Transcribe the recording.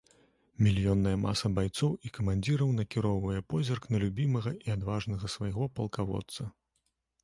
Мільённая маса байцоў і камандзіраў накіроўвае позірк на любімага і адважнага свайго палкаводца.